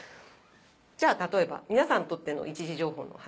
じゃあ例えば皆さんにとっての一次情報の話。